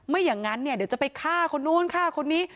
ไม่อย่างนั้นเนี่ยเดี๋ยวจะไปฆ่าคนนู้นฆ่าคนนี้